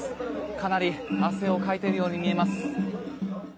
かなり汗をかいているように見えます。